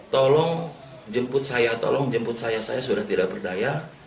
tolong jemput saya tolong jemput saya saya sudah tidak berdaya